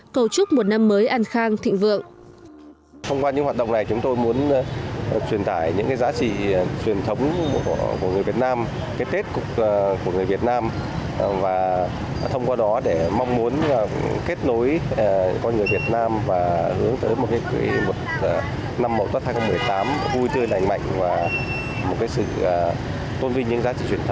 cầu chúc một năm mới an khang thịnh vượng